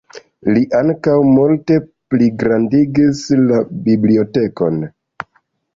Li ankaŭ multe pligrandigis la bibliotekon.